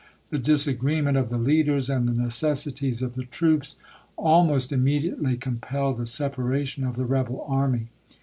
The disagreement of the leaders and the necessities of the troops almost immediately compelled a separation of the rebel army.